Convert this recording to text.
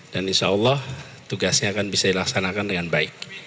dan insyaallah tugasnya akan bisa dilaksanakan dengan baik